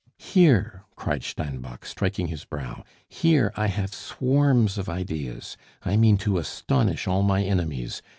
"Here!" cried Steinbock, striking his brow, "here I have swarms of ideas! I mean to astonish all my enemies.